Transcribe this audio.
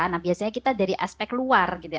nah biasanya kita dari aspek luar gitu ya